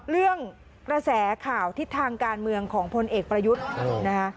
เรื่องกระแสข่าวทิศทางการเมืองของพลเอกประยุทธ์นะคะ